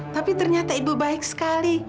tapi ternyata ibu baik sekali